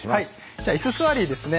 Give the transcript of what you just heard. じゃあ「いす座り」ですね。